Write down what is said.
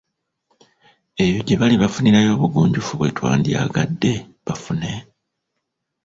Eyo gye bali bafunirayo obugunjufu bwe twandyagadde bafune?